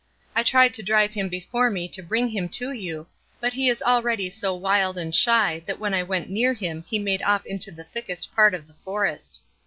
I tried to drive him before me and bring him to you, but he is already so wild and shy that when I went near him he made off into the thickest part of the forest.